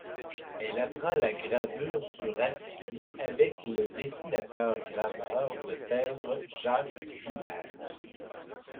Elle apprend la gravure sur acier avec le dessinateur-graveur de timbres Jacques Jubert.